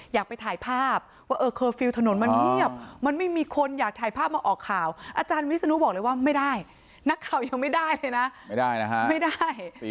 อยากไปถ่ายภาพว่าเออเคอร์ฟิลล์ถนนมันเงียบมันไม่มีคนอยากถ่ายภาพมาออกข่าวอาจารย์วิศนุบอกเลยว่าไม่ได้นักข่าวยังไม่ได้เลยนะไม่ได้นะฮะไม่ได้